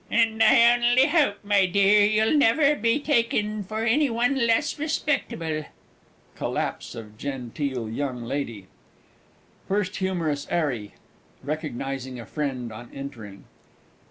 And I only hope, my dear, you'll never be taken for any one less respectable. [Collapse of GENTEEL Y.L. FIRST HUMOROUS 'ARRY (recognising a friend on entering).